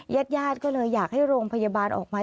ญาติญาติก็เลยอยากให้โรงพยาบาลออกมา